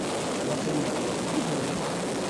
Waqil neɣleḍ deg ubrid.